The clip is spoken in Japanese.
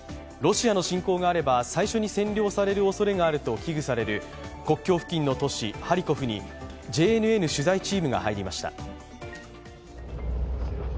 ロシアの侵攻があれば最初に占領されるおそれがあると危惧される国境付近の都市・ハリコフにＪＮＮ取材チームが入りました。